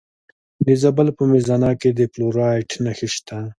د زابل په میزانه کې د فلورایټ نښې شته.